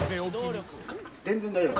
「全然大丈夫。